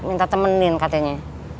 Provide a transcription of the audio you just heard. minta temenin katanya